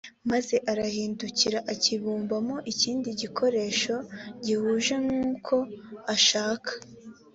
maze arahindukira akibumbamo ikindi gikoresho gihuje n uko ashaka